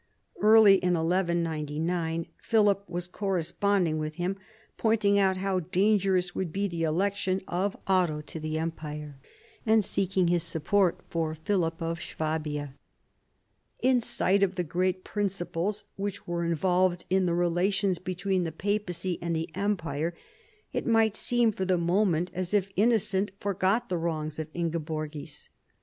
Early in 1199 Philip was corresponding with him, pointing out how dangerous would be the election of Otto to the empire, and seeking his support for Philip of Swabia. In sight of the great principles which were involved in the relations between the papacy and the empire, it might seem for the moment as if Innocent forgot the wrongs of Ingeborgis.